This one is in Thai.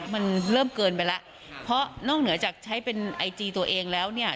มันเริ่มเกินไปแล้วเพราะนอกเหนือจากใช้เป็นไอจีตัวเองแล้วเนี่ย